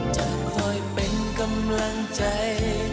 จะคอยเป็นกำลังใจ